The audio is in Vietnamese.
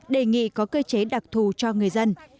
đề nghị có cơ chế đặc thù cho người dân